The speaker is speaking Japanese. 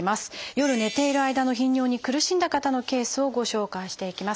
夜寝ている間の頻尿に苦しんだ方のケースをご紹介していきます。